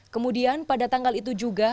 kemudian pada tanggal itu juga